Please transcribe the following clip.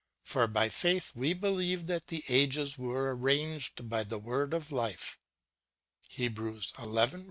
For by faith we believe that the ages were arranged by the Word of Life ;^ Sirach, xxiv, 2